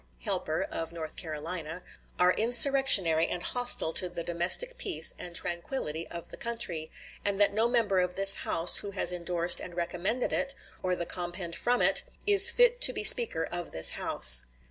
Helper [of North Carolina], are insurrectionary and hostile to the domestic peace and tranquillity of the country, and that no member of this House who has indorsed and recommended it, or the compend from it, is fit to be Speaker of this House."